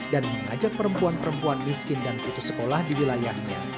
dan mengajak perempuan perempuan miskin dan putus sekolah di wilayahnya